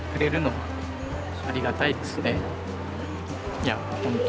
いや本当。